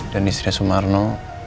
dan istri sumarno